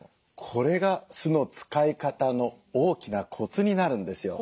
これが酢の使い方の大きなコツになるんですよ。